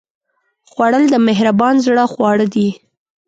خوړل د مهربان زړه خواړه دي